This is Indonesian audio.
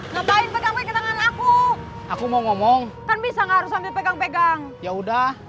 ngapain pedamai ke tangan aku aku mau ngomong kan bisa gak harus sambil pegang pegang ya udah